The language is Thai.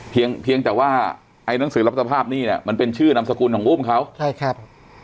เพียงเพียงแต่ว่าไอ้หนังสือรับสภาพหนี้เนี่ยมันเป็นชื่อนามสกุลของอุ้มเขาใช่ครับ